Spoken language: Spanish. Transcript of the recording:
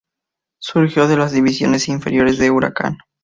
Surgió de las divisiones inferiores de Huracán.